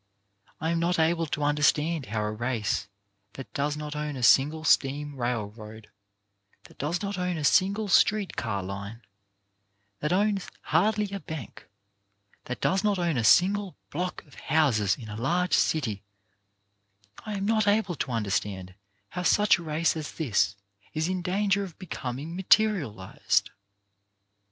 I am not able to understand how a race that does not own a single steam railroad, that does not own a single street car line, that owns hardly a bank, that does not own a single block of houses in a large city — I am not able to understand how such a race as that is in danger of becoming materialized.